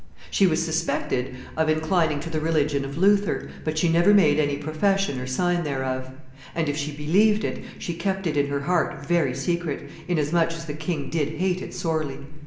... She was suspected of inclining to the religion of Luther, but she never made any profession or sign thereof; and, if she believed it, she kept it in her heart very secret, inasmuch as the king did hate it sorely."